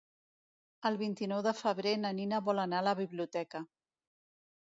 El vint-i-nou de febrer na Nina vol anar a la biblioteca.